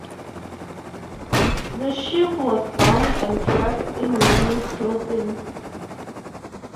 The sheaf was bound and dressed in women's clothing.